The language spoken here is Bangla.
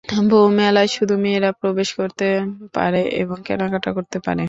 বউ মেলায় শুধু মেয়েরা প্রবেশ করতে পারে এবং কেনাকাটা করতে পারে।